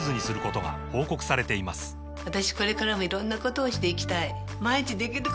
私これからもいろんなことをしていきたい